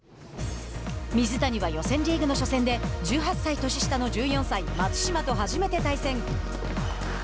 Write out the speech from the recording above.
水谷は予選リーグの初戦で１８歳年下の１４歳松島と初めて対戦。